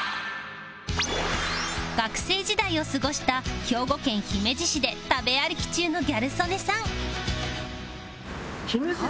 学生時代を過ごした兵庫県姫路市で食べ歩き中のギャル曽根さん